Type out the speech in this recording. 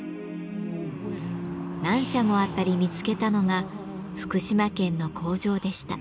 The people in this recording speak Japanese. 何社も当たり見つけたのが福島県の工場でした。